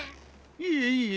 いえいえ